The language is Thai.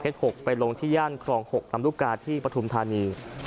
ไปลงที่ย่านครอง๖ลำลูกกาที่ปฐุมธานี